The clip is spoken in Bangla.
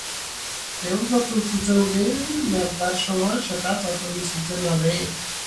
ঢেউ যত উঁচুতে ওঠে, নাববার সময় সেটা তত নীচুতে নাবে।